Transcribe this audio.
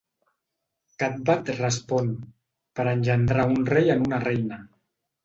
Cathbad respon, "per engendrar un rei en una reina".